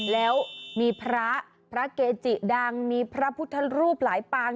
แล้วมีพระพระเกจิดังมีพระพุทธรูปหลายปาง